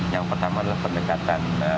yang pertama adalah pendekatan